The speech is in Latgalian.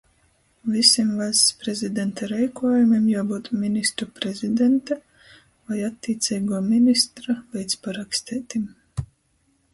Vysim Vaļsts Prezidenta reikuojumim juobyut ministru prezidenta voi attīceiguo ministra leidzparaksteitim,